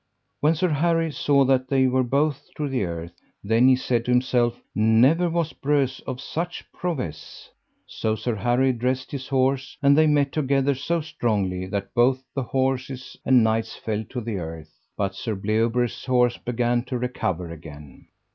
When Sir Harry saw that they were both to the earth then he said to himself: Never was Breuse of such prowess. So Sir Harry dressed his horse, and they met together so strongly that both the horses and knights fell to the earth, but Sir Bleoberis' horse began to recover again.